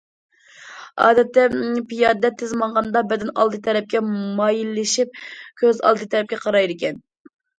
ئادەتتە، پىيادە تېز ماڭغاندا، بەدەن ئالدى تەرەپكە مايىللىشىپ، كۆز ئالدى تەرەپكە قارايدىكەن.